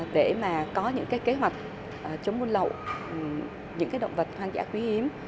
để có những kế hoạch chống buôn lộ những động vật hoang dã quý hiếm